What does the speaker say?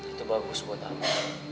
itu bagus buat amba